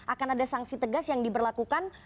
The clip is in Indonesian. akan ada sanksi tegas yang diberlakukan